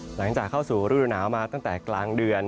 หลังจากเข้าสู่ฤดูหนาวมาตั้งแต่กลางเดือน